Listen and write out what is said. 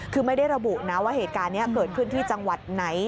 คือไม่ได้ระบุนะว่าเหตุการณ์นี้เกิดขึ้นที่จังหวัดไหน